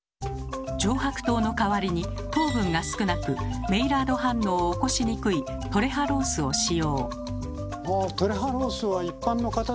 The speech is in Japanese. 上白糖の代わりに糖分が少なくメイラード反応を起こしにくいトレハロースを使用。